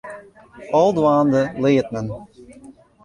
Al dwaande leart men.